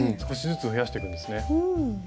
少しずつ増やしてくんですね。